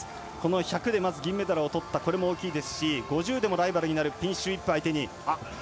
１００で銀メダルをとったこれも大きいですし５０でもライバルになるピンシュー・イップを相手に。